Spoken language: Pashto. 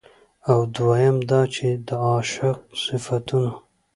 او دويم دا چې د عاشق د صفتونو